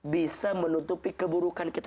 bisa menutupi keburukan kita